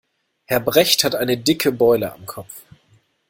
Herr Brecht hat eine dicke Beule am Kopf.